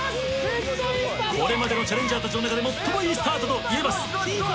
これまでのチャレンジャーたちの中で最もいいスタートといえます。